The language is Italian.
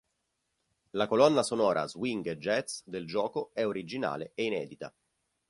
La colonna sonora swing e jazz del gioco è originale e inedita.